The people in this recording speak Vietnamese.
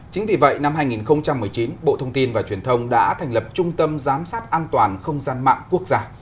chính vì vậy năm hai nghìn một mươi chín bộ thông tin và truyền thông đã thành lập trung tâm giám sát an toàn không gian mạng quốc gia